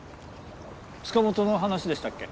塚本の話でしたっけ？